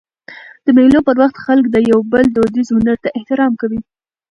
د مېلو پر وخت خلک د یو بل دودیز هنر ته احترام کوي.